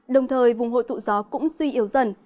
đồng thời vùng hội tụ gió cũng suy yếu dần